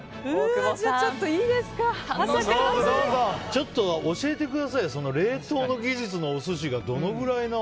ちょっと教えてくださいよ冷凍の技術のお寿司がどのぐらいの。